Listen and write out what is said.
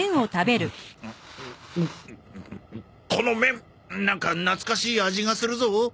この麺なんか懐かしい味がするぞ。